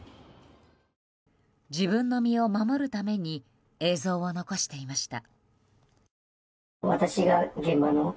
自分の身を守るために映像を残していました。